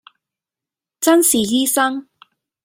眞是醫生，